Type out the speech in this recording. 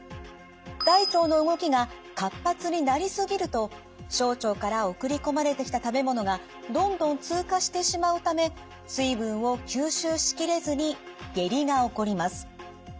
大腸の動きが活発になりすぎると小腸から送り込まれてきた食べ物がどんどん通過してしまうため水分を吸収しきれずに下痢が起こります。